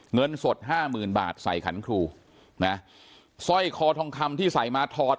เงินสดห้าหมื่นบาทใส่ขันครูนะสร้อยคอทองคำที่ใส่มาถอด